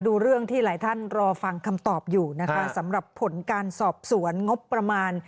ดูเรื่องที่หลายท่านรอฟังคำตอบอยู่นะคะสำหรับผลการสอบสวนงบประมาณ